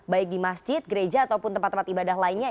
baik di masjid gereja ataupun tempat tempat ibadah lainnya